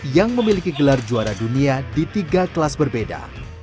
yang memiliki gelar juara dunia di tiga kelas berbeda